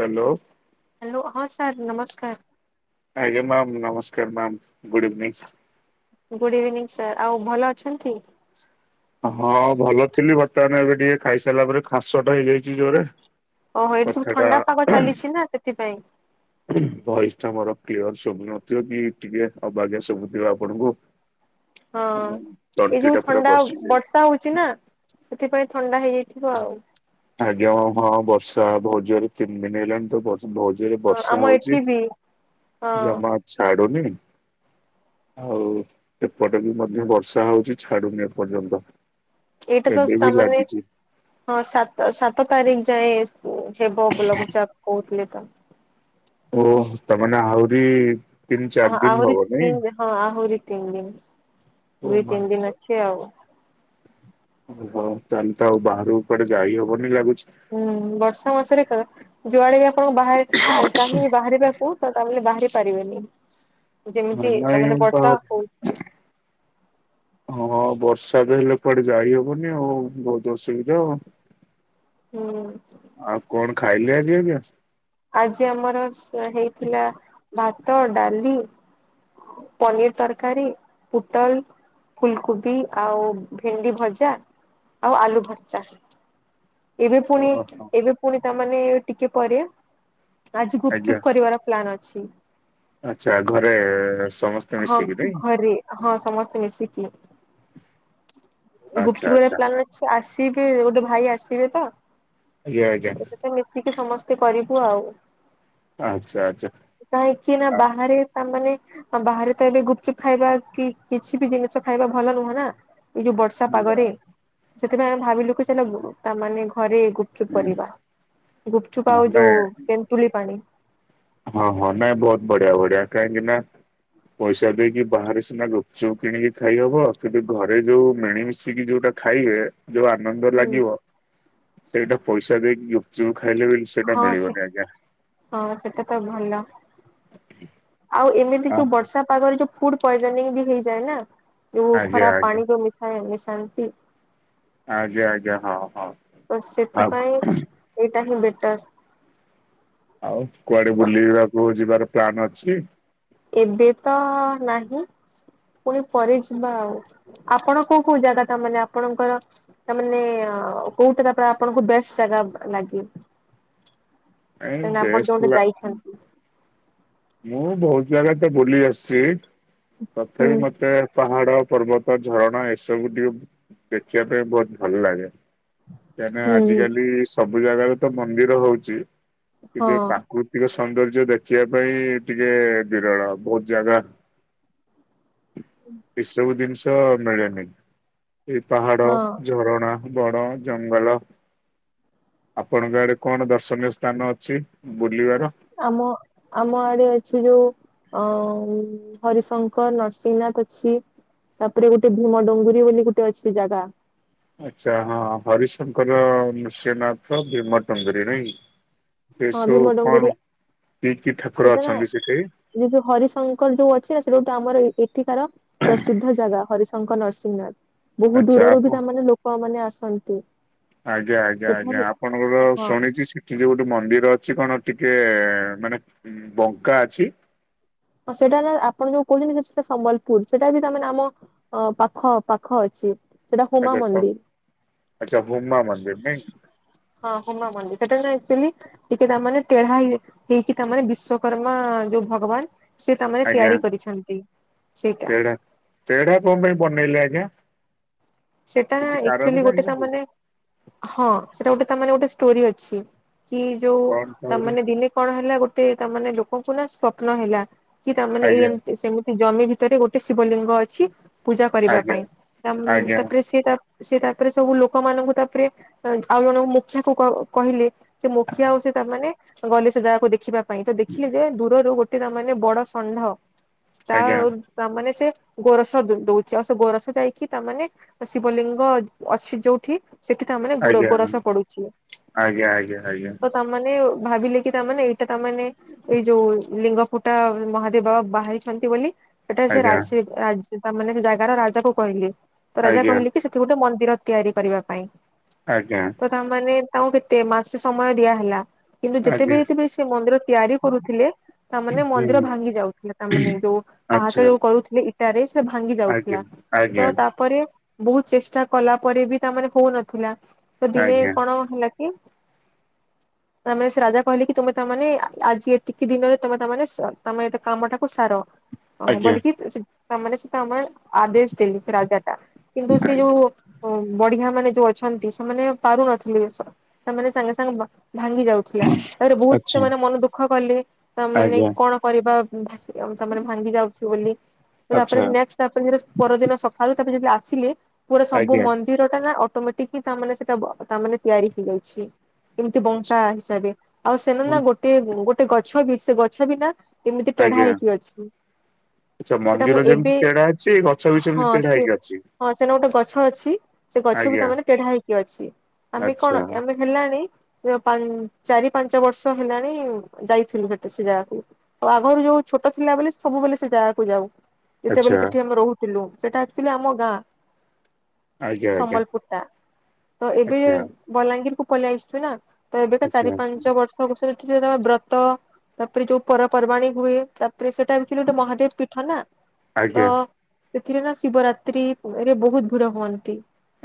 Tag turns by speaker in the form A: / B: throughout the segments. A: Hello.
B: Hello ହଁ sir ନମସ୍କାର।
A: ଆଜ୍ଞା ମ୍ୟାମ୍ ନମସ୍କାର ma'am good evening.
B: Good evening sir ଆଉ ଭଲ ଅଛନ୍ତି?
A: ହଁ ଭଲ ଥିଲି ବର୍ତ୍ତମାନ ଏବେ ଟିକେ ଖାଇସାରିଲା ପରେ ଖାସ ଟା ହେଇଯାଇଛି ଜୋରେ।
B: ଓହୋ ଏଇଠି ସବୁ
A: କଥାଟା
B: ଥଣ୍ଡା ପାଗ ଚାଲିଛି ନା ସେଥିପାଇଁ।
A: ଭଏସ୍ ଟା ମୋର କ୍ଲିଅର୍ ଶୁଭୁନଥିବ କି ଟିକେ ଅବାଗ୍ୟା ଶୁବୁଥିବ ଆପଣଙ୍କୁ। [inaudible]
B: ହଁ ଏଇ
A: ତଣ୍ଟି ଟା
B: ଯୋଉ
A: ପୁରା
B: ଥଣ୍ଡା
A: ବସି ଯାଇଛି।
B: ବର୍ଷା ହଉଛି ନା ସେଥିପାଇଁ ଥଣ୍ଡା ହେଇଯାଇଥିବ ଆଉ।
A: ଆଜ୍ଞା ହଁ ହଁ ବର୍ଷା ବହୁତ୍ ଜୋରେ ତିନି ଦିନ ହେଲାଣି ତ ବର୍ଷା ବହୁ ଏ
B: ହଁ
A: ବର୍ଷା
B: ଆମ ଏଠି
A: ହଉଛି
B: ବି ହଁ
A: ଜମା ଛାଡୁନି। ଆଉ ଏପଟେ ବି ମଧ୍ୟ ବର୍ଷା ହଉଛି ଛାଡୁନି ଏ ପର୍ଯ୍ୟନ୍ତ।
B: ଏଇଟା ତ ସ୍ତାମାନେ ହଁ ସାତ ସାତ ତାରିଖ ଯାଏଁ ହେବ ଲଘୁଚାପ କହୁଥିଲେ ତ।
A: ଓ ତମାନେ ଆହୁରି ତିନି ଚାରି ଦିନ ହବ
B: ଆହୁରି
A: ନାଇଁ
B: ତିନି ହଁ ଆହୁରି ତିନି ଦିନ
A: ଓ
B: ଦୁଇ ତିନି
A: ମାଇଁ
B: ଦିନ ଅଛି ଆଉ।
A: ଓହୋ ତାହାନେ ତ ଆଉ ବାହାରକୁ କୁଆଡେ ଯାଇ ହବନି ଲାଗୁଛି।
B: ହୁଁ ବର୍ଷା ମାସରେ କ ଯୁଆଡେବି ଆ [inaudible]
A: ହଁ
B: ଯେମିତି ତା
A: ନାଇଁ
B: ମାନେ
A: ବା
B: ବର୍ଷା ହଉଚି।
A: ହଁ, ବର୍ଷା ବି ହେଲେ କୁଆଡ଼େ ଯାଇ ହେବନି ଆଉ। ବହୁତୁ ଅସୁବିଧା
B: [inaudible]
A: ଆଉ କ'ଣ ଖାଇଲେ ଆଜି ଆଜ୍ଞା?
B: ଆଜି ଆମର ହେଇଥିଲା ଭାତ, ଡ଼ାଲି। ପନିର୍ ତର୍କାରୀ, ପୁଟଲ୍ ଫୁଲ୍ କୁବି ଆଉ ଭେଣ୍ଡି ଭଜା ଆଉ ଆଲୁ ଭର୍ତା। ଏବେ ପୁଣି
A: ଓହୋ
B: ଏବେ ପୁଣି ତା' ମାନେ ଟିକେ ପରେ ଆଜି ଗୁପ୍ ଚୁପ୍ କରିବାର ପ୍ଲାନ୍ ଅଛି।
A: ଆଚା, ଘରେ ସମ
B: ହଁ ଘରେ, ହଁ ସମସ୍ତେ ମିଶିକି
A: ଆଚ୍ଛା
B: ଗୁପ୍ଚୁପ୍ କରିବା
A: ଆଚ୍ଛା
B: ପ୍ଲାନ୍, ଆସିବେ ଗୋଟେ ଭାଇ ଆସିବେ ପା।
A: [inaudible]
B: ମିଶିକି ସମସ୍ତେ କରିବୁ ଆଉ।
A: [inaudible]
B: କାହିଁକି ନା
A: ଆ-
B: ବାହାରେ ତା' ମାନେ ବାହାରେ ତ ଏବେ ଗୁପଚୁପ୍ ଖାଇବା, କି କିଛି ବି ଜିନିଷ ଖାଇବା ଭଲ ନୁହଁ ନା। ଏଇ ଯଉ ବର୍ଷା ପାଗରେ, ସେଥି ପାଇଁ ଆମେ ଭାବିଲୁ କି ତା ମାନେ ଘରେ ଗୁ ଚୁପ୍
A: ହଁ
B: କରିବା, ଗୁପ୍ଚୁପ୍ ଆଉ ଯଉ
A: ନାଇଁ
B: ତେନ୍ତୁଲି ପାଣି।
A: ହଁ ହଁ ନାଇଁ, ବହୁତ୍ ବଢ଼ିଆ ବଢ଼ିଆ କାହିଁକି ନା ପଇସା ଦେଇକି ବାହାରେ ସିନା ଗୁପ୍ଚୁପ୍ କିଣିକି ଖାଇ ହବ, ଘରେ ଯଉ ମିଳି ମି ମିଶିକି ଯଉଟା ଖାଇବେ, ଯଉ ଆନନ୍ଦ
B: ହୁଁ।
A: ଲାଗିବ। ସେଇଟା ପଇସା ଦେଇକି ଗୁପ୍ଚୁପ୍ ଖାଇଲେ ବି ସେଇଟା
B: [unintelligible] ଆଉ
A: ମିଳିବନି ଆଜ୍ଞା।
B: ଏମିତି
A: ହଁ
B: ଯଉ ବର୍ଷା ପାଗରେ ଯଉ ଫୁଡ୍ ପଏଜନିଂ ବି ହେଇଯାଏ ନା। ଯଉ
A: ଆଜ୍ଞା
B: ଖରାପ୍
A: ଆଜ୍ଞା
B: ପାଣି-----ମିଶାନ୍ତି।
A: [inaudible]
B: ସେଥି
A: ଆଉ
B: ପାଇଁ ଏଇଟା ହିଁ ବେଟର୍।
A: ଆଉ କୁଆଡ଼େ ବୁଲିବାକୁ ଯିବାର ପ୍ଲାନ୍ ଅଛି?
B: ଏବେ ତ ନାହିଁ, ପୁଣି ପରେ ଯିବା ଆଉ। ଆପଣ କଉ କଉ ଜାଗା, ତା ମାନେ ଆପଣଙ୍କର ତା'ମାନେ କଉଟା ତା'ପରେ ଆପଣଙ୍କୁ ବେଷ୍ଟ୍ ଜାଗା ଲାଗେ?
A: [unintelligible]
B: କାହିଁକି ଆପଣ ଯୋଉଠି ଯାଇଛନ୍ତି
A: ମୁଁ ବହୁତ୍ ଜାଗା ବୁଲି ଆସ୍‌ଚି,
B: ହୁଁ
A: ତଥାପି ମତେ ପାହାଡ, ପର୍ବତ, ଝରଣା ଏସବୁ ଟିକେ ଦେଖିବା ପାଇଁ, ବହୁତ୍ ଭଲ୍ ଲାଗେ। କା--ନା
B: ହୁଁ
A: ଆଜିକାଲି ସବୁ ଜାଗାରେ ତ ମନ୍ଦିର ହଉଚି,
B: ହଁ
A: ସୌନ୍ଦର୍ଯ୍ୟ ଦେଖିବା ପାଇଁ, ଟିକେ ବିରଳ, ବହୁତ୍ ଜାଗା ଏସବୁ ଦିନ୍‌ଷ ମିଳେନି, ଏଇ ପାହାଡ,
B: ହଁ
A: ଝରଣା ବଡ଼ ଜଙ୍ଗଲ, ଆପଣଙ୍କ ଆଡ଼େ କ'ଣ ଦର୍ଶନୀୟ ସ୍ଥାନ ଅଛି ବୁଲିବାର।
B: ଆମ ଆମ ଆଡ଼େ ଅଛି ଯଉ ହରି ଶଙ୍କର୍, ନର୍ସିଂନା---ଅଛି। ତା'ପରେ ଗୁଟେ ଭୁମ ଡୁଙ୍ଗୁରି ବୋଲି ଗୁଟେ ଅଛି ଜାଗା।
A: ଆଚ୍ଛା, ହଁ ହରି ଶଙ୍କର, ନୃସିଂହ ନାଥ, ଭୀମ ଟୁଙ୍ଗୁରୀ ଏ
B: ହଁ
A: ସବୁ
B: ଭୀମ ଡଙ୍ଗୁରୀ
A: କଣ କି କି ଠାକୁର
B: ସେଟା ନା
A: ଅଛନ୍ତି ସେଠି?
B: ଯେ ଯୋଉଁ ହରିଶଙ୍କର ଯୋଉ ଅଛି ନା ସେ ଟା ଗୋଟେ ଆମର ଏଠିକାର ପ୍ରସିଦ୍ଧ ଜାଗା ହରିଶ୍। ଶଙ୍କର ନରସିଂହ ନାଥ୍ ବହୁତ
A: ଆଚ୍ଛା
B: ଦୂରରୁ
A: ଆପଣ
B: ବି ତା ମାନେ ଲୋକମାନେ ବି ଆସନ୍ତି।
A: ଆଜ୍ଞା - ଆଜ୍ଞା -ଆଜ୍ଞା
B: ସେଠାରେ
A: ଆପଣଙ୍କର
B: ହଁ
A: ଶୁଣିଛି ସି। ସେଠି ଯୋଉ ଗୋଟେ ମନ୍ଦିର ଅଛି କଣ ଟିକେ ମାନେ ବଙ୍କା ଅଛି।
B: ହଁ ସେଇଟା ନା ଆପଣ ଯୋଉ କହୁଛନ୍ତି ସେଟା ସମ୍ବଲପୁର୍ ସେଇଟା ବି ତ ଆମ। ପାଖ ପାଖ ଅଛି। ସେଟା ହୁମା
A: ଆଚ୍ଛା ସ
B: ମନ୍ଦିର
A: ଆଚ୍ଛା ହୁମା ମନ୍ଦିର ନାଇ।
B: ହଁ ହୁମା ମନ୍ଦିର୍ ସେଟା ସିନା ଆକ୍ଚୁଆଲି। ଟିକେ ତାମାନେ ଟେଢା ହେଇକି ତାମାନେ ବିଶ୍ଵକର୍ମା ଯୋଉଁ ଭଗବାନ୍। ସିଏ ତା ମାନେ
A: ଆଜ୍ଞା
B: ତିଆରି କରିଛନ୍ତି ସେଇଟା।
A: ତେଢା ତେଢା କଣ ପାଇଁ ବନେଇଲେ ଆଜ୍ଞା?
B: ସେଟା
A: କିଛି କାରଣ
B: ଏକ୍ଚୁ୍ଲି ଗୋଟେ ତା
A: ଜାଣିଛନ୍ତି
B: ମାନେ? ହଁ ସେଟା ଗୋଟେ ତା ମାନେ ଗୋଟେ ଷ୍ଟୋରି ଅଛି କି ଯୋଉ
A: କଣ
B: ତା
A: କହିଲେ
B: ମାନେ ଦିନେ। କଣ ହେଲା ଗୋଟେ ତା ମାନେ ଲୋକଙ୍କୁ ନା ସ୍ଵପ୍ନ ହେଲା କି ତା ମାନେ
A: ଆଜ୍ଞା
B: ଏମିତି ସେମିତି। ଜମି ଭିତରେ ଗୋଟେ ଶିବଲିଙ୍ଗ ଅଛି ପୂଜା କରିବା
A: ଆଜ୍ଞା
B: ପାଇଁ ତା।
A: ଆଜ୍ଞା
B: ସେ ତା ସେ ତାପରେ ସବୁ ଲୋକମାନଙ୍କୁ ତା ପରେ। ଆଉ ଜଣଙ୍କୁ ମୁଖିଆକୁ କହିଲେ ସେ ମୁଖିଆ ଆଉ ସେ ତା ମାନେ ଗଲେ ସେ ଜାଗାକୁ ଦେଖିବା। ପାଇଁ ତ ଦେଖିଲେ ଯେ ଦୂରରୁ ଗୋଟେ ତା ମାନେ ବଡ ଷଣ୍ଢ ତା।
A: ଆଜ୍ଞା
B: ତା ମାନେ ସେ ଗୋରସ ଦ ଦୋଉଛି ଆଉ ସେ ଗୋରସ ଯାଇକି ତା ମାନେ। ଶିବଲିଙ୍ଗ ଅଛି ଯୋଉଠି? ସେଠି ତା ମାନେ
A: ଆଜ୍ଞା
B: ଗୋରସ ପଡୁଛି
A: ଆଜ୍ଞା ଆଜ୍ଞା
B: ତ ତା। ମାନେ ଭାବିଲେ କି ତାମାନେ ଏଇଟା ତା ମାନେ। ଏଇ ଯୋଉ ଲିଙ୍ଗ ଫୁଟା ମହାଦେବ ବାବା ବାହାରିଛନ୍ତି ବୋଲି। ଏଟା ମାନେ ସେ ରାଜା ତା ମାନେ ସେ ଜାଗାର ରାଜା କୁ କହିଲେ ତ ରାଜା
A: ଆଜ୍ଞା ଆଜ୍ଞା
B: କହିଲେ କି। ସେଠି ଗୋଟେ ମନ୍ଦିର ତିଆରି କରିବା ପାଇଁ।
A: ଆଜ୍ଞା।
B: ତା ମାନେ ତାଙ୍କୁ କେତେ ମାସେ ସମୟ ଦିଆହେଲା କିନ୍ତୁ
A: ଆଜ୍ଞା
B: ଯେତେବି ଯେ ସେ ମନ୍ଦିର ତିଆରି। କରୁଥିଲେ ତାମାନେ
A: ହୁଁ
B: ମନ୍ଦିର ଭାଙ୍ଗି ଯାଉଥିଲା ତାମାନେ ଯୋଉଁ
A: ଆଚ୍ଛା
B: ପାହାଚ ଯୋଉଁ କରୁଥିଲେ। ଇଟାରେ ସେ ଭାଙ୍ଗି
A: ଆଜ୍ଞା
B: ଯାଉଥିଲା
A: ଆଜ୍ଞା
B: ତ ତା। ପରେ ବହୁତ୍ ଚେଷ୍ଟା କଲା ପରେ ବି ତା ମାନେ ହୋଉନଥିଲା ତ ଦିନେ
A: ଆଜ୍ଞା
B: କଣ ହେଲା। କି।
A: [unintelligible]
B: ତା ମାନେ ସେ ରାଜା କହିଲେ କି ତୁମେ ତା ମାନେ ଆଜି ଏତିକି ଦିନରେ ତମେ ତା ମାନେ କାମ ଟାକୁ ସାର। ଅ
A: ଆଜ୍ଞା
B: ବଲକି ସୁ ସେ ତା ମାନେ ଆଦେଶ୍ ଦେଲେ ସେ ରାଜା। କିନ୍ତୁ ସେ
A: ଆଜ୍ଞା
B: ଯୋଉ ଉଁ। ବଢିଆ ମାନେ ଯୋଉ ଅଛନ୍ତି ସେମାନେ ପାରୁନଥିଲେ ସେମାନେ ସାଙ୍ଗେ ସାଙ୍ଗେ ଭାଙ୍ଗି ଯାଉ। ଥିଲା ତାପରେ ବହୁତ୍
A: ଆଚ୍ଛା
B: ସେମାନେ ମନ ଦୁଃଖ କଲେ ତା ମାନେ
A: ଆଜ୍ଞା
B: କଣ? କରିବା ଭାଙ୍ଗି ତା ମାନେ ଭାଙ୍ଗି ଯାଉଛି ବୋଲି ତାପରେ
A: ଆଚ୍ଛା
B: ନେକ୍ସଟ୍ ତାପରେ ତା ପରଦିନ ସକାଳୁ। ତା ପରେ ଯଦି ଆସିଲି ମୋର ସବୁ
A: ଆଜ୍ଞା ଆଜ୍ଞା
B: ମନ୍ଦ୍। ନ୍ଦିର ଟା ନା ଅଟୋମେଟିକ୍ ତା ମାନେ ସେଟା ତା ମାନେ ତିଆରି ହେଇଯାଇଛି। ଏମିତି ବଙ୍କା ହିସାବେ ଆଉ ସେମାନେ ନା ଗୋଟିଏ ଗୋଟିଏ ଗଛ ବି ସେ ଗଛ ବି ନା। ଏମିତି ତେଢା ହେଇକି ଅଛି।
A: ଆଚ୍ଛା
B: ସେଟା ମୁଁ
A: ମନ୍ଦିର
B: ଏବେ
A: ଯେମିତି ତେଢା ଅଛି ଗଛ ବି ସେମିତି
B: ହଁ
A: ତେଢା
B: ସେ
A: ହେଇକି ଅଛି।
B: ହଁ ସେନା ଗୋଟେ ଗଛ ଅଛି ସେ ଗଛ ବି
A: ଆଜ୍ଞା
B: ତା ମାନେ ତେଢା ହେଇକି ଅଛି ଆମେ
A: ଆଚ୍ଛା
B: କଣ ଆମେ। ହେଲାଣି ପାନ୍ ଚାରି ପାଞ୍ଚ ବର୍ଷ ହେଲାଣି ଯାଇଥିଲୁ ସେଠି ସେ ଜାଗାକୁ। ଆଉ ଆଗରୁ ଯୋଉ ଛୋଟ ଥିଲା ବେଲେ ସବୁବେଲେ ସେ ଜାଗାକୁ ଯାଉ। ଯେତେବେଲେ
A: ଆଚ୍ଛା
B: ସେଠି ଆମେ ରହୁଥିଲୁ ସେଟା ଆକଚୁଆଲି ଆମ ଗାଁ।
A: ଆଜ୍ଞା ଆଜ୍ଞା
B: ସମ୍ବଲପୁର ଟା ତ ଏବେ
A: ଆଚ୍ଛା
B: ବଲାଙ୍ଗୀରକୁୁ ପଳେଇ ଆସିଚୁ ନା ତ ଏବେତ
A: ଆଚ୍ଛା
B: ଚାରି
A: ଆଚ୍ଛା
B: ପାଞ୍ଚ ବର୍ [unintelligible] ବ୍ରତ ତାପରେ ଯୋଉ ପର ପର୍ବାଣୀ ହୁଏ। ତାପରେ ସେଟା ହଉଚି ଗୋଟେ ମହାଦେବ ପୀଠ ନା। ତ
A: ଆଜ୍ଞା
B: ସେଥିରେ ନା ଶିବରାତ୍ରି ରେ ବହୁତ ଭିଡ ହୁଅନ୍ତି।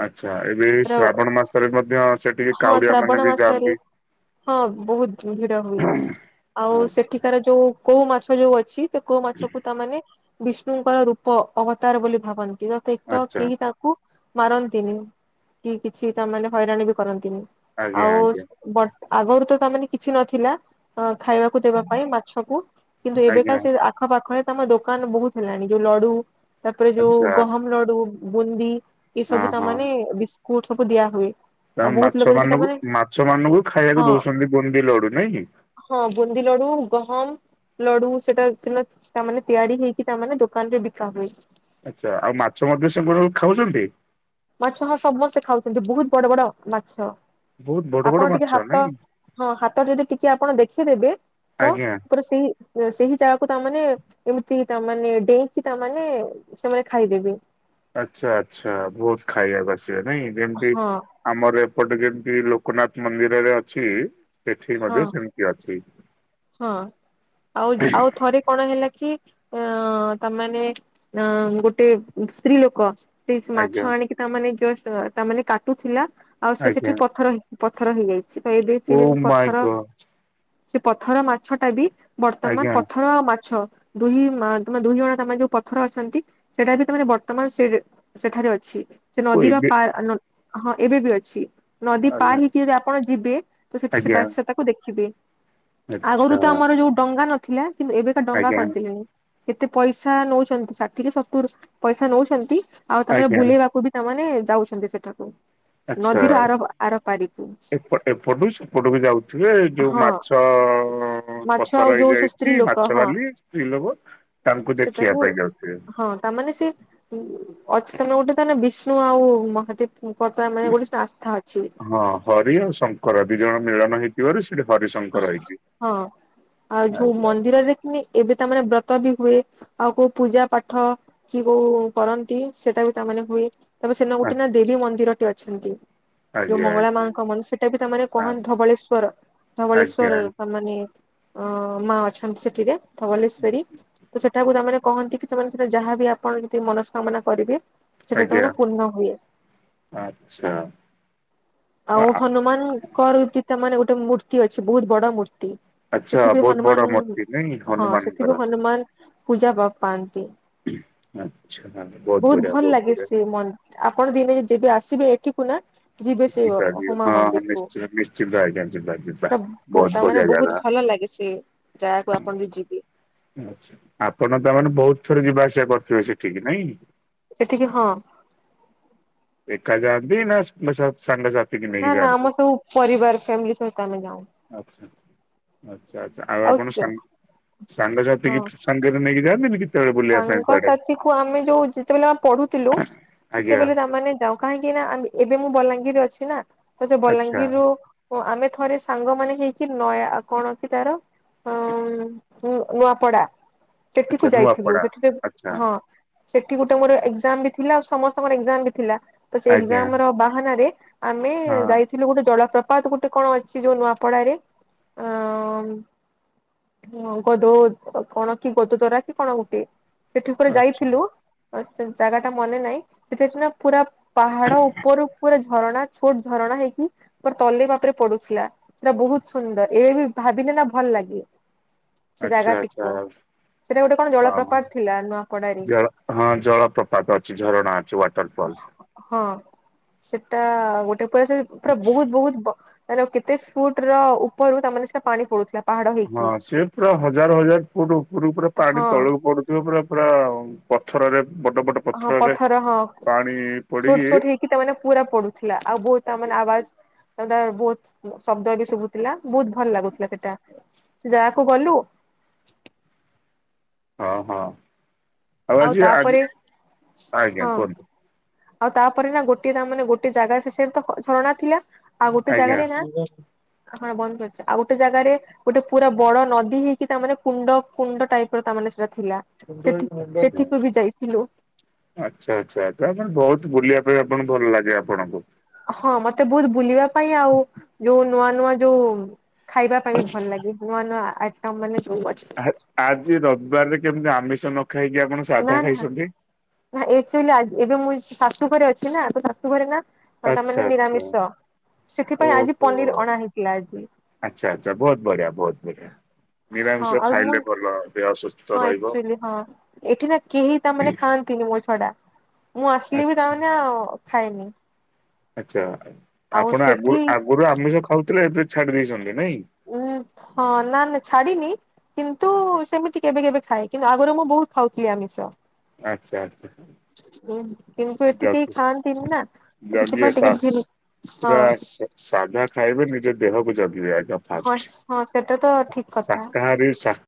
A: ଆଚ୍ଛା ଏବେ
B: ପୁରା
A: ଶ୍ରାବଣ ମାସରେ ମଧ୍ୟ ସେଠିକି
B: ହଁ
A: କାଉଡିଆ ମାନେ
B: ଶ୍ରାବଣ
A: ବି
B: ମାସରେ
A: ଯାଆନ୍ତି।
B: ହଁ ବହୁତ ଭିଡ ହୁଏ। ଆଉ
A: ଆଚ୍ଛା
B: ସେଠିକାର ଯୋଉ କୋଉ ମାଛ ଯୋଉ ଅଛି ସେ କୋଉ ମାଛକୁ ତାମାନେ ବିଷ୍ଣୁଙ୍କର ରୂପ ଅବତାର ବୋଲି ଭାବନ୍ତି। ତ [unintelligible]
A: ଆଚ୍ଛା
B: କେହି ତାକୁ ମାରନ୍ତିନି କି କିଛି ତା ମାନେ ହଇରାଣ ବି କରନ୍ତିନି।
A: ଆଜ୍ଞା
B: ଆଉ
A: ଆଜ୍ଞା
B: ବ ଆଗରୁ ତ ତାମାନେ କିଛି ନଥିଲା ଅ ଖାଇବାକୁ ଦେବା ପାଇଁ ମାଛକୁ କିନ୍ତୁ
A: ଆଜ୍ଞା
B: ଏବେକା ସେ ଆ ଆଖ ପାଖରେ ତମ ଦୋକାନ ବହୁତ ହେଲାଣି। ଯୋଉ ଲଡୁ ତାର ଯୋଉ
A: ଆଚ୍ଛା
B: ଗହମ ଲଡୁ ବୁନ୍ଦି ଏ
A: ହଁ
B: ସବୁ
A: ହଁ
B: ତାମାନେ ବିସ୍କୁଟ ସବୁ ଦିଆ ହୁଏ।
A: ତା
B: ଆଉ ବହୁତ ଲୋକ
A: ମାଛ
B: ବି
A: ମାନଙ୍କୁ
B: ତାମାନେ
A: ମାଛ ମାନଙ୍କୁ ଖାଇବାକୁ
B: ହଁ
A: ଦଉଛନ୍ତି ବୁନ୍ଦି ଲଡୁ ନାଇଁ କି?
B: ହଁ ବୁନ୍ଦି ଲଡୁ ଗହମ। ଲଡୁ ସେଟା ସିନା ତାମାନେ ତିଆରି ହେଇକି ତାମାନେ ଦୋକାନ ରେ ବିକା ହୁଏ।
A: ଆଚ୍ଛା ଆଉ ମାଛ ମଧ୍ୟ ସେ [unintelligible] ଖାଉଚନ୍ତି?
B: ମାଛ ହଁ ସମସ୍ତେ ଖାଉଚନ୍ତି ବହୁତ ବଡ ବଡ ମାଛ
A: ବହୁତ ବଡ ବଡ
B: ଆପଣ
A: ମାଛ
B: ଟିକେ ହାତ
A: ନାଇଁ
B: ହଁ ହାତ ଯଦି ଟିକେ ଆପଣ ଦେଖିଦେବେ ତ
A: ଆଜ୍ଞା।
B: ପୁରା ସେଇ ସେହି ଜାଗାକୁ ତାମାନେ ଏମିତି ତା ମାନେ ଡେଇଁକି ତାମାନେ ସେମାନେ ଖାଇଦେବେ।
A: ଆଛା ଆଚ୍ଛା ବହୁତ ଖାଇବାକୁ ଆସିବେ ନାଇଁ କି ଯେମତି
B: ହଁ
A: ଆମର ଏପଟେ ଯେମିତି ଲୋକନାଥ ମନ୍ଦିରରେ ଅଛି ସେଠି
B: ହଁ
A: ମଧ୍ୟ ସେମତି ଅଛି।
B: ହଁ ଆଉ ଜ ଆଉ ଥରେ କଣ ହେଲା କି ଆଁ ତାମାନେ ଆଁ ଗୋଟେ ସ୍ତ୍ରୀ ଲୋକ ସେ ମାଛ
A: ଆଜ୍ଞା
B: ଆଣିକି ତାମାନେ ଜଷ୍ଟ୍ ତାମାନେ କାଟୁଥିଲା ଆଉ ସେ
A: ଆଜ୍ଞା
B: ସେଠି ପଥର ପଥର ହେଇଯାଇ ଚି [unintelligible]
A: ଓ
B: ସେ ଯେମିତି
A: ମାଇଁ
B: ପଥର
A: ଗଡ୍
B: ସେ ପଥର ମାଛ ଟା ବି ବର୍ତ୍ତମାନ
A: ଆଜ୍ଞା
B: ପଥର ମାଛ ଦୁଇ ମା ଦୁଇ ଜଣ ତମ ଯୋଉ ପଥର ଅଛନ୍ତି ସେଟା ବି ତମେ ବର୍ତ୍ତମାନ ସେ ସେଠାରେ ଅଛି ସେ
A: ଓ
B: ନଦୀର
A: ଏବେ
B: ପା ହଁ ଏବେ ବି ଅଛି। ନଦୀ
A: ଆଜ୍ଞା
B: ପାର ହେଇକି ଯଦି ଆପଣ ଯିବେ ତ ସେଠି ସେ ସେଟାକୁ ଦେଖିବେ।
A: ଆଚ୍ଛା
B: ଆଗରୁ ତ ଆମର ଯୋଉ ଡଙ୍ଗା ନଥିଲା କିନ୍ତୁ ଏବେକା ଡଙ୍ଗା
A: ଆଜ୍ଞା
B: କରିଦେଲେଣି। କେତେ ପଇସା ନଉଚନ୍ତି ଷାଠି କି ସତୁୁର ପଇସା ନଉଛନ୍ତି ଆଉ ତମେ
A: ଆଜ୍ଞା
B: ବୁଲେଇବାକୁ ବି ସେମାନେ ଯାଉଛନ୍ତି ସେଠାକୁ।
A: ଆଚ୍ଛା
B: ନଦୀର ଆର ଆର ପାରିକୁ
A: ଏ ଏପଟୁ ସେପଟକୁ ଯାଉଥିବେ ଏ ଯୋଉ
B: ହଁ
A: ମାଛ ତ
B: ମାଛ ଆଉ
A: ପଥର
B: ଯୋଉ ସବୁ ସ୍ତ୍ରୀ
A: ହେଇଯାଇଚି
B: ଲୋକ
A: ମାଛ
B: ହଁ
A: ବାଲି ସ୍ତ୍ରୀ ଲୋକ ତାଙ୍କୁ ଦେଖିଆ
B: ସେଟାକୁ
A: ପାଇଁ ଯାଉଚି।
B: ହଁ ତାମାନେ ସେ ହଁ ଅଛି ତ ଗୋଟେ ତାନେ ବିଷ୍ଣୁ ଆଉ ମହାଦେବ ପଦ ମାନେ ଗୋଟେ ସେ ଆସ୍ଥା ଅଛି।
A: ହଁ ହରି ଆଉ ଶଙ୍କର ଦି ଜଣ ମିଳନ ହେଇ ହେଇଥିବାରୁ ସେଠି ହରି ଶଙ୍କ
B: ହଁ ଆଉ ଯୋହୁ
A: ଆଜ୍ଞା
B: ମନ୍ଦିରରେ ତୁମେ ଏବେ ତା ମାନ ବ୍ରତ ବି ହୁଏ ଆଉ କୋଉ ପୂଜା ପାଠ। କି କୋଉ କରନ୍ତି ସେଟା ବି ତାମାନେ ହୁଏ। ତାପ ସେନ
A: ଆ
B: ଗୋଟେ ନା ଦେବୀ ମନ୍ଦିରଟେ ଅଛନ୍ତି। ଯୋଉ
A: ଆଜ୍ଞା
B: ମଙ୍ଗଳା
A: ଆଜ୍ଞା
B: ମାଙ୍କ ମନ୍ଦ ସେଟା ବି ତା ମାନେ
A: ଆ
B: କହନ୍ତି ଧବଳେଶ୍ଵର
A: ଆଜ୍ଞା
B: ଧବଳେଶ୍ଵର
A: ଆଜ୍ଞା।
B: ତା ମାନେ ଅ ମା ଅଛନ୍ତି ସେଠିରେ ଧବଲେଶ୍ଵରୀ। ତ ସେଠାକୁ ତାମାନେ କହନ୍ତି କି ସେମାନେ ସେ ଯାହାବି ଆପଣ ଯଦି ମନସ୍କାମନା କରିବେ ସେଟା ତମର ପୂର୍ଣ ହୁଏ।
A: ଆଚ୍ଛା।
B: ଆଉ
A: ଆ
B: ହନୁମାନଙ୍କର ପିତା ମାନେ ଗୋଟେ ମୂର୍ତ୍ତି ଅଛି ବହୁତ ବଡ ମୂର୍ତ୍ତି।
A: ଆଚ୍ଛା
B: ସେଠିବି
A: ବହୁତ ବଡ
B: ହନୁମାନ
A: ମୂର୍ତ୍ତି ନାଇଁ
B: ହଁ
A: ହନୁମାନଙ୍କର।
B: ସେଠିବି ହନୁମାନ ପୂଜା ପାଆନ୍ତି।
A: ଆଚ୍ଛା ବହୁତ ବଢ଼ିଆ
B: ଭଲ
A: ବହୁତ
B: ଲାଗେ
A: ବଢିଆ।
B: ସେ ମନ୍ ଆପଣ ଦିନେ ଯେବେ ଆସିବେ ଏଠିକୁ ନା ଜି ବେ ସେଇ
A: ଯିବା ଯିବା
B: ହମା
A: ହଁ ହଁ
B: ମନ୍ଦିରକୁ
A: ନିଶ୍ଚିନ୍ତ ନିଶ୍ଚିନ୍ତ ଆଜ୍ଞା ଯିବା ଯିବା। ବହୁତ
B: ତା ମାନେ
A: ବଢିଆ ଜାଗା
B: ବହୁତ ଭଲ ଲାଗେ ସେ ଯାହାକୁ ଆପଣ ଯ ଯିବେ।
A: ଆଚ୍ଛା ଆପଣ ତାମାନେ ବହୁତ ଥର ଯିବା ଆସିବା କରିୁଥିବେ ସେଠିକି ନାଇଁ।
B: ସେଠିକି ହଁ।
A: ଏକା ଯାଆନ୍ତି ନା ସାଙ୍ଗ ସା
B: ନା ନା ଆମ ସବୁ ପରିବାର ଫ୍ୟାମିଲି ସହିତ ଆମେ ଯାଉ।
A: ଆଚ୍ଛା ଆଚ୍ଛା ଆଚ୍ଛା ଆଉ ଆପଣ ସାଙ୍ଗ ସାଙ୍ଗ ସାଥି
B: ହଁ
A: କିଛି ସାଙ୍ଗରେ ନେଇକି ଯାନ୍ତିନି କି?
B: ସାଙ୍ଗସାଥି କୁ ଆମେ ଯୋଉ ଯେତେବେଳେ ଆମେ ପଢୁଥିଲୁ
A: ଆଜ୍ଞା
B: ସେତେବେଳେ ତାମାନେ ଯାଉ। କାହିଁକି ନା ଏବେ ମୁଁ ବଲାଙ୍ଗୀର ଅଛି ନା ତ ସେ
A: ଆଚ୍ଛା
B: ବଲାଙ୍ଗୀରରୁୁ ଓ ଆମେ ଥରେ ସାଙ୍ଗମାନେ ହେଇକି ନୟା କଣ ଅଛି ତାର ଅ ଉଁ ନୂଆପଡା
A: ଆଚ୍ଛା
B: ସେଠିକୁ ଯାଇଥିଲୁ
A: ନୂଆପଡା
B: ସେଠିରେ
A: ଆଚ୍ଛା
B: ହଁ। ସେଠି ଗୋଟେ ମୋର ଏକ୍ସଜାମ ବି ଥିଲା ଆଉ ସମସ୍ତଙ୍କର ଏକ୍ସଜାମ ବି ଥିଲା ତ ସେ
A: ଆଜ୍ଞା
B: ଏକ୍ସଜାମ ର ବାହାନାରେ ଆମେ
A: ହଁ
B: ଯାଇଥିଲୁ ଗୋଟେ ଜଳପ୍ରପାତ ଗୋଟେ କଣ ଅଛି ଯୋଉ ନୂଆପଡାରେ ଅ ହଁ ଗଦୁ କଣ କି ଗଧ ଦରା କି କଣ ଗୋ ଟେ ସେଠି ପୁରା
A: ଆଚ୍ଛା
B: ଯାଇଥିଲୁ ସେ ଜାଗା ଟା ମନେ ନାଇଁ ସେଠିନା ପୁରା ପାହାଡ ଉପର ଉପରେ ଝରଣା ଛୋଟ ଝରଣା ହେଇକି ମୋର ତଲେ ବାପରେ ପଡୁଥିଲା। ସେଟା ବହୁତ ସୁନ୍ଦର ଏବେ ବି ଭାବିଲେ ନା ଭଲ ଲାଗେ। ସେ
A: ଆଚ୍ଛା ଆଚ୍ଛା
B: ଜାଗାଟିକୁ
A: ହଁ।
B: ସେଟା ଗୋଟେ କଣ ଜଳପ୍ରପାତ ଥିଲା ନୂଆପଡାରେ
A: ଜଳ ହଁ ଜଳପ୍ରପାତ ଅଛି ଝରଣା ଅଛି ୱାଟର ଫଲ୍।
B: ହଁ ସେଟା ଗୋଟେ ପା ସେ ପୁରା ବହୁତ ବହୁତ ତାଲେ ଆଉ କେତେ ଫୁଟ ର ଉପରୁ ତାମାନେ ସେ ପାଣି ପଡୁଥିଲା। ପାହାଡ ହେଇକି
A: ହଁ ସିଏ ପୁରା ହଜାର ହଜାର ଫୁଟ ଉପରୁ ଉପରୁ ପାଣି
B: ହଁ
A: ତଳକୁ ପଡୁ ପରେ ପୁରା ପଥରରେ ବଡ ବଡ
B: ହଁ
A: ପଥରରେ
B: ପଥର ହଁ
A: ପାଣି ପଡିକି
B: ଛୋଟ ଛୋଟ ହେଇ ତା ମାନେ ପୁରା ପଡୁଥିଲା ଆଉ ବହୁତ ତା ମାନେ ଆବାଜ ତାଟା ବହୁତ ଶବ୍ଦ ବି ଶୁଭୁଥିଲା ବହୁତ ଭଲ ଲାଗୁଥିଲା ସେଟା ସେ ଯାଗାକୁ ଗଲୁ।
A: ହଁ ହଁ ଆଉ ଆଜି ଆଜି ଆଜ୍ଞା
B: ହଁ
A: କୁହନ୍ତୁ।
B: ଆଉ ତାପରେ ନା ଗୋଟେ ତା ମାନେ ଗୋଟେ ଜାଗା ସେଟ ତ ଝରଣା ଥିଲା। ଆଉ ଗୋଟେ
A: ଆଜ୍ଞା
B: ଜାଗାରେ ନା ହଁ ବନ୍ଦ କରିଛି ଆଉ ଗୋଟେ ଜାଗାରେ ଗୋଟେ ପୁରା ବଡ ନଦୀ ହେଇକି ତାମାନେ କୁଣ୍ଡ କୁଣ୍ଡ ଟାଇପ ର ତାମାନେ ସେଟା ଥିଲା। ସେଠ
A: ଆଚ୍ଛା
B: ସେଠିକୁ ବି ଯାଇଥିଲୁ।
A: ଆଚ୍ଛା ଆଚ୍ଛା ତା ମାନେ ବହୁତ ବୁଲିବା ପାଇଁ ଆପଣଙ୍କୁ ଭଲ ଲାଗେ ଆପଣଙ୍କୁ।
B: ହଁ ମତେ ବହୁତ ବୁଲିବା ପାଇଁ ଆଉ ଯୋଉ ନୂଆ ନୂଆ ଯୋଉ ଖାଇବା ପାଇଁ ବି ଭଲ ଲାଗେ ନୂଆ ନୂଆ ଆଇଟମ୍ ମାନେ ଯୋଉ ଅଛି।
A: ଆ ଆଜି ରବାରରେ କେମିତି ଆମିଷ ନ ଖାଇକି ଆପଣ।
B: ନା
A: ସାଧା
B: ନା
A: ଖାଇଛନ୍ତି।
B: ନା ଏକଚୁଲି ଆ ଏବେ ମୁଁ ଶାଶୁ ଘରେ ଅଛି ନା ତ ଶାଶୁ ଘରେ ନା। ହଁ ତା
A: ଆଚ୍ଛା
B: ମାନେ
A: ଆଚ୍ଛା
B: ନିରାମିଷ ସେଥିପାଇଁ ଆଜି
A: ଓହୋ
B: ପନିର୍ ଅଣା ହେଇଥିଲା ଆଜି।
A: ଆଚ୍ଛା ଆଚ୍ଛା ବହୁତ୍ ବଢିଆ ବହୁତ୍ ବଢ଼ିଆ।
B: ହଁ ଆଉ ମୁଁ
A: ସୁସ୍ଥ
B: ହଁ
A: ରହିବ
B: ଏକ୍ଚୁଆଲି ହଁ ଏଠି ନା କେହି ତାମାନେ ଖା ତିନି ମୋ ଛଡା ମୁଁ ଆସିଲି ବି
A: ଆଛା
B: ତାମାନେ ଆଉ ଖାଏନି।
A: ଆଚ୍ଛା
B: ଆଉ
A: ଆପଣ ଆଗୁରୁ
B: ସେଠି
A: ଆଗୁରୁ ଆମିଷ ଖାଉଥିଲେ ଏବେ ଛାଡି ଦେଇଛନ୍ତି ନାଇଁ?
B: ଉଁ ହଁ ନା ନା ଛାଡ଼ିନି। କିନ୍ତୁ ସେମିତି କେବେ କେବେ ଖାଏ କିନ୍ତୁ ଆଗୁରୁ ମୁଁ ବହୁତ୍ ଖାଉଥିଲି ଆମିଷ।
A: ଆଚ୍ଛା ଆଚ୍ଛା।
B: ଉଁ କିନ୍ତୁ ଏଠି କେହି
A: ଜଗି
B: ଖାଆନ୍ତିନି ନା ତ
A: ଜଗିଅ
B: ସେଥିପାଇଁ
A: ସାସ୍
B: ଟିକେ। ହଁ
A: ପୁରା ସା ସାଧା ଖାଇବେ ନିଜ ଦେହକୁ ଜଗିବେ ଆଗ।
B: ହଁ
A: ଫାଷ୍ଟ୍
B: ହଁ ସେଟା ତ ଠିକ କଥା।
A: ଶାକାହାରୀ ଶା